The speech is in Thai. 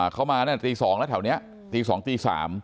เขามาตี๒แล้วแถวนี้ตี๒ตี๓